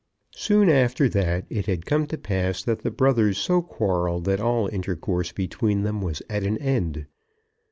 Soon after that it had come to pass that the brothers so quarrelled that all intercourse between them was at an end.